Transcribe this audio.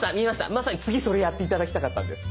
まさに次それやって頂きたかったんです。